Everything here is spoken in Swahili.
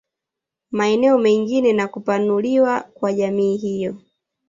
Maeneo mengine na kupanuliwa kwa jamii hiyo